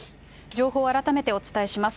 情報を改めてお伝えします。